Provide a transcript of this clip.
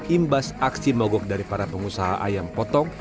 imbas aksi mogok dari para pengusaha ayam potong